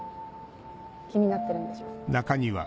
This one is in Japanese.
気になってるんでしょ？